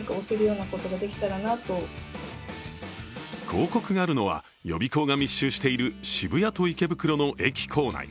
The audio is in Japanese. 広告があるのは、予備校が密集している渋谷と池袋の駅構内。